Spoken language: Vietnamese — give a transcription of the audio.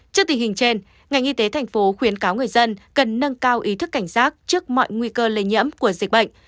trước tình hình trên ngành y tế tp hcm khuyến cáo người dân cần nâng cao ý thức cảnh giác trước mọi nguy cơ lây nhẫm của dịch bệnh